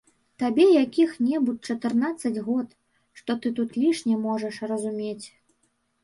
Табе якіх-небудзь чатырнаццаць год, што ты тут лішне можаш разумець.